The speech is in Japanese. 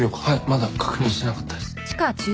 はいまだ確認してなかったです。